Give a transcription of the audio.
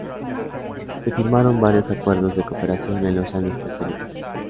Se firmaron varios acuerdos de cooperación en los años posteriores.